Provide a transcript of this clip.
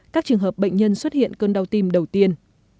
các trường hợp bệnh nhân xuất hiện cơn đau tim đầu tiên